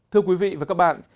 thưa quý vị và các bạn